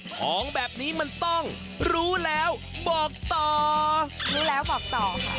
ของแบบนี้มันต้องรู้แล้วบอกต่อ